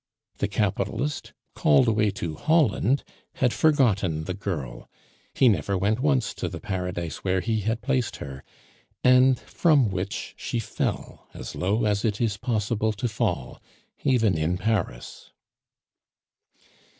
The capitalist, called away to Holland, had forgotten the girl; he never went once to the Paradise where he had placed her, and from which she fell as low as it is possible to fall even in Paris.